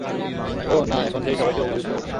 ওহ, না, এখন সেই সবাইকেই অভিযুক্ত করছে!